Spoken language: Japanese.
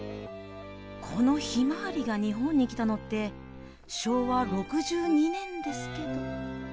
この「ひまわり」が日本に来たのってしょうわ６２年ですけど。